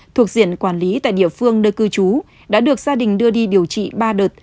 thuộc diện quản lý tại địa phương nơi cư trú đã được gia đình đưa đi điều trị ba đợt